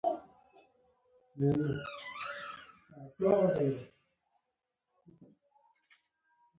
هغه بانجاني چاینکه کې لږ چای راوړه.